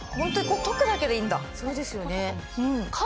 とくだけでいいんだ。